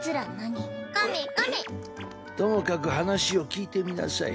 （雪待ともかく話を聞いてみなさい。